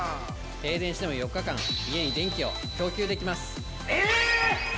停電しても４日間家に電気を供給できます！